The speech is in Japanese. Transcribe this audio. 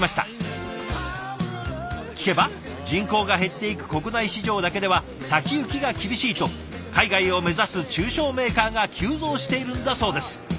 聞けば人口が減っていく国内市場だけでは先行きが厳しいと海外を目指す中小メーカーが急増しているんだそうです。